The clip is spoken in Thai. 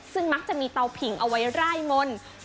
ซึ่งมักจะมีเตาผิงเอาไว้ร่ายมนต์